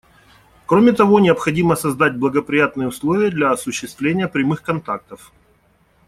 Кроме того, необходимо создать благоприятные условия для осуществления прямых контактов.